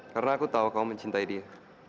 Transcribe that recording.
karena aku tahu kamu mencintai dia